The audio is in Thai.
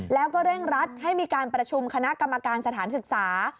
แล้วก็เร่งรัดให้มีการประชุมคณะกรรมการสถานศึกษา